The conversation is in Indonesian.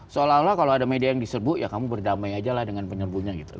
seolah olah kalau ada media yang diserbu ya kamu berdamai aja lah dengan penyerbunya gitu